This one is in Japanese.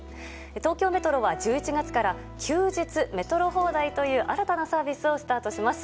東京メトロは１１月から休日メトロ放題という新たなサービスをスタートします。